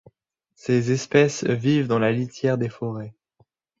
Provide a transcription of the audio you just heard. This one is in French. Ces espèces vivent dans la litière des forêts.